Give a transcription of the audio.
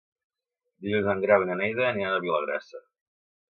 Dilluns en Grau i na Neida aniran a Vilagrassa.